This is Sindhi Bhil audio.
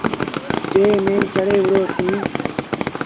جݩهݩ ميݩ چڙهي وُهڙوس۔